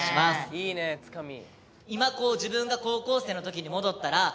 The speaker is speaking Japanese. いいねえつかみ。